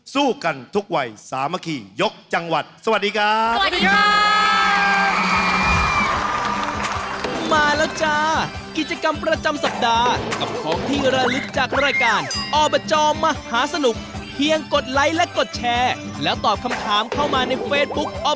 สู้กันทุกวัยสามคียกจังหวัด